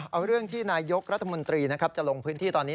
เอาเรื่องที่นายกรัฐมนตรีนะครับจะลงพื้นที่ตอนนี้